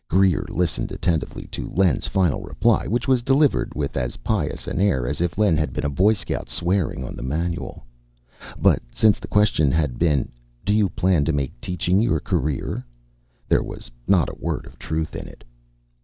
Greer listened attentively to Len's final reply, which was delivered with as pious an air as if Len had been a Boy Scout swearing on the Manual. But since the question had been "Do you plan to make teaching your career?" there was not a word of truth in it.